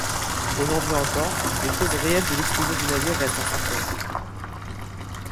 Aujourd'hui encore, les causes réelles de l'explosion du navire restent incertaines.